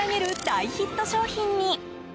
大ヒット商品に。